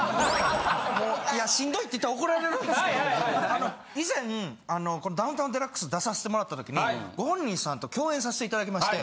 もういやしんどいって言ったら怒られるんですけど以前この『ダウンタウンＤＸ』出さしてもらったときにご本人さんと共演させて頂きまして。